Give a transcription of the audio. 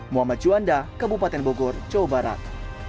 muhammad juanda kabupaten bogor jawa barat